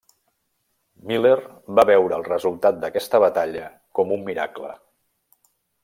Miller va veure el resultat d'aquesta batalla com un miracle.